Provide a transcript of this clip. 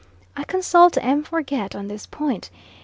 I consult M. Forget on this point.